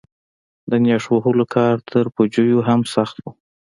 د نېش وهلو کار تر پوجيو هم سخت و.